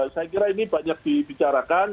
saya kira ini banyak dibicarakan